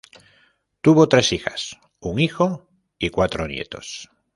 Tuvo tres hijas, un hijo, y cuatro nietos.